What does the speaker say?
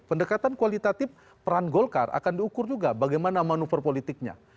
pendekatan kualitatif peran golkar akan diukur juga bagaimana manuver politiknya